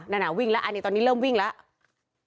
นั่นวิ่งแล้วอันนี้ตอนนี้เริ่มวิ่งแล้ว